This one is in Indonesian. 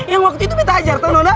yang waktu itu beta ajar tau nona